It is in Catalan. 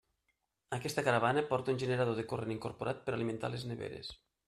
Aquesta caravana porta un generador de corrent incorporat per alimentar les neveres.